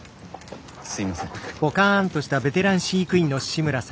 すいません。